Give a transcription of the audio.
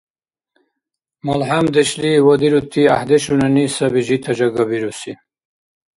МалхӀямдешли ва дирути гӀяхӀдешуна саби жита жагабируси.